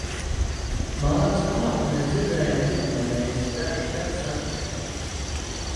Māras vārdu mēs dzirdējām pirmo reizi dažus gadus atpakaļ.